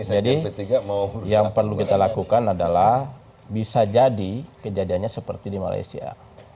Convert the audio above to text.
jadi yang perlu kita lakukan adalah bisa jadi kejadiannya seperti di malaysia